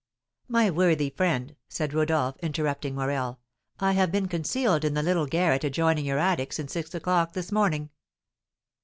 "My worthy friend," said Rodolph, interrupting Morel, "I have been concealed in the little garret adjoining your attic since six o'clock this morning."